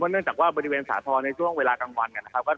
เพราะเนื่องจากบริเวณสาธารณ์ในช่วงเวลากลางวัน